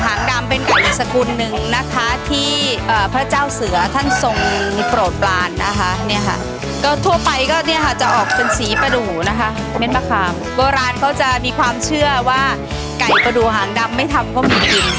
ก้าวร้านเขาก็จะมีความเชื่อว่าไก่ประดูกหางดำไม่ทำก็มีริน